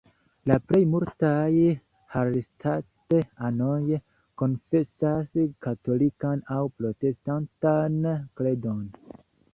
La plej multaj Hallstatt-anoj konfesas katolikan aŭ protestantan kredon.